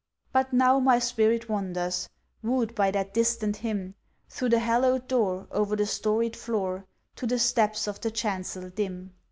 But now my spirit wanders, Woo'd by that distant hymn, Through the hallow'd door, o'er the storied floor, To the steps of the chancel dim.